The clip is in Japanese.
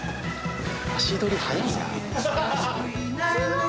足取り速いな。